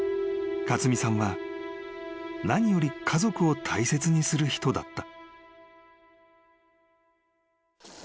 勝美さんは何より家族を大切にする人だった］